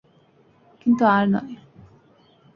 কিন্তু আর নয়।